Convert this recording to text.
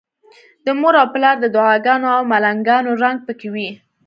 د مور او پلار د دعاګانو او ملنګانو رنګ پکې وي.